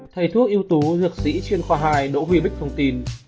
thầy thuốc yếu tố dược sĩ chuyên khoa hai đỗ huy bích thông tin